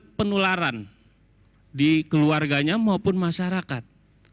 ada penularan di keluarganya maupun masyarakat